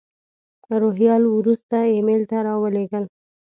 روهیال وروسته ایمیل ته را ولېږل.